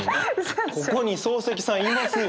ここに漱石さんいますよ。